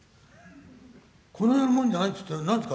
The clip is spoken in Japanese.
この世のもんじゃないっつったら何ですか？